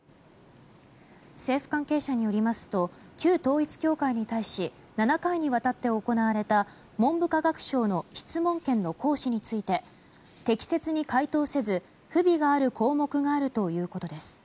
政府関係者によりますと旧統一教会に対し７回にわたって行われた文部科学省の質問権の行使について適切に回答せず不備がある項目があるということです。